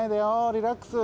リラックス！